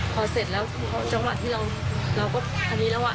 พอเสร็จแล้วจังหวะที่เราก็พอดีแล้วอ่ะ